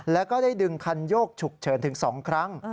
แล้วก็ได้ดึงคันโยกฉุกเฉินถึง๒ครั้ง